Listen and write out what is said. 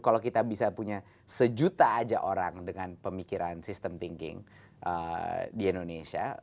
kalau kita bisa punya sejuta aja orang dengan pemikiran sistem thinking di indonesia